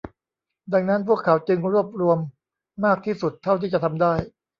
ดังนั้นพวกเขาจึงรวบรวมมากที่สุดเท่าที่จะทำได้